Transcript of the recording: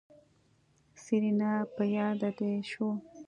سېرېنا په ياده دې شوه.